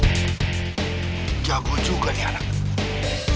tidak akan berhasrat